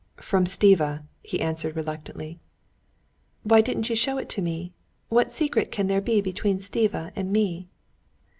"From Stiva," he answered reluctantly. "Why didn't you show it to me? What secret can there be between Stiva and me?"